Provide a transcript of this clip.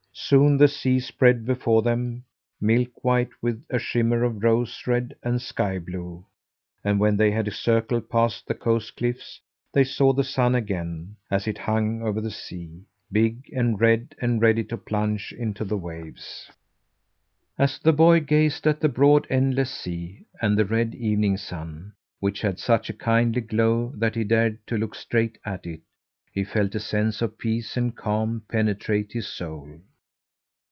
Soon the sea spread before them, milk white with a shimmer of rose red and sky blue, and when they had circled past the coast cliffs they saw the sun again, as it hung over the sea, big and red and ready to plunge into the waves. As the boy gazed at the broad, endless sea and the red evening sun, which had such a kindly glow that he dared to look straight at it, he felt a sense of peace and calm penetrate his soul.